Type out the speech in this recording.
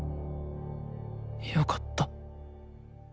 よかった。